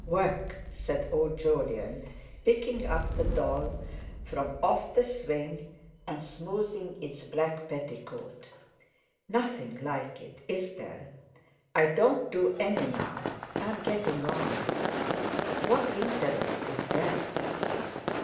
"Work!" said old Jolyon, picking up the doll from off the swing, and smoothing its black petticoat. "Nothing like it, is there? I don't do any now. I'm getting on. What interest is that?"